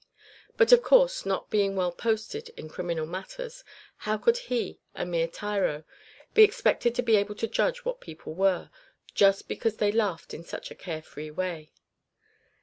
But of course, not being well posted in criminal matters, how could he, a mere tyro, be expected to be able to judge what people were, just because they laughed in such a care free way.